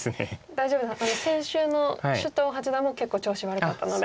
大丈夫先週の首藤八段も結構調子悪かったので。